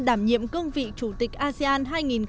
đảm nhiệm cương vị chủ tịch asean hai nghìn hai mươi